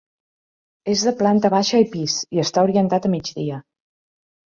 És de planta baixa i pis, i està orientat a migdia.